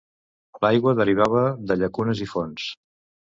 L'aigua derivava de llacunes i fonts.